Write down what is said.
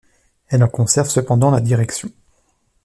Elle en conserve cependant la direction.